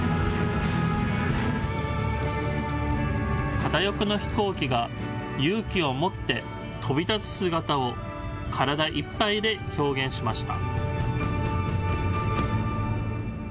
片翼の飛行機が勇気を持って飛び立つ姿を体いっぱいで表現しました。